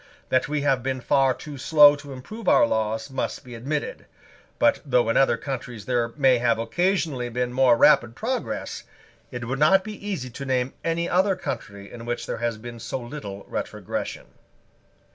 That we have been far too slow to improve our laws must be admitted. But, though in other countries there may have occasionally been more rapid progress, it would not be easy to name any other country in which there has been so little retrogression.